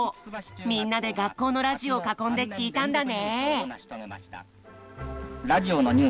みんなで学校のラジオを囲んで聴いたんだね。